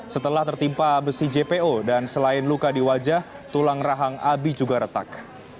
setelah tertimpa besi jpo dan selain luka di wajah tulang rahang abi juga retak